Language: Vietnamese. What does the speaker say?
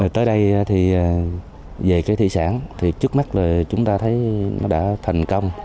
tới đây thì về cái thị sản thì trước mắt là chúng ta thấy nó đã thành công